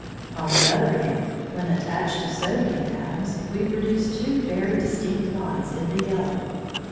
On the other hand, when attached to sodium atoms, we produced two very distinct lines in the yellow.